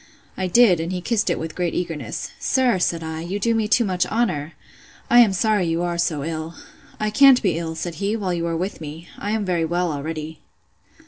I did, and he kissed it with great eagerness. Sir, said I, you do me too much honour!—I am sorry you are so ill.—I can't be ill, said he, while you are with me. I am very well already.